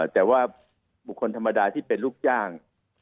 แต่ว่าบุคคลธรรมดาที่เป็นลูกจ้าง